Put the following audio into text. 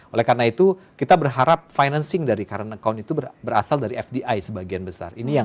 oleh karena itu kita berharap financing dari current account itu berasal dari fdi sebagian besar